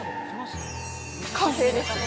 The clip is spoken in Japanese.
◆完成です。